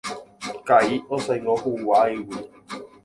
Ka'i osãingo huguáigui.